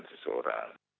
tidak akan seseorang